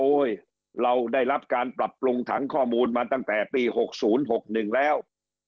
เราได้รับการปรับปรุงถังข้อมูลมาตั้งแต่ปี๖๐๖๑แล้ว